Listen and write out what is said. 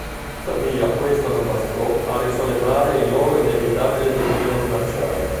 Tuttavia questo non bastò a risollevare il loro inevitabile declino commerciale.